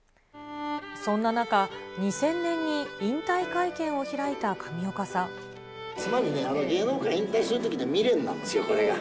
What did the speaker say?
そんな中、２０００年に引退つまりね、芸能界引退するときは未練なんですよ、これが。